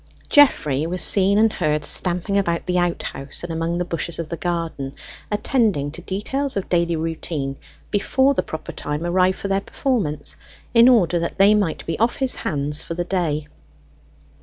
Geoffrey was seen and heard stamping about the outhouse and among the bushes of the garden, attending to details of daily routine before the proper time arrived for their performance, in order that they might be off his hands for the day.